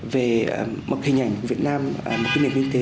về mực hình ảnh của việt nam mực kinh tế